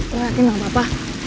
lu yakin gak apa apa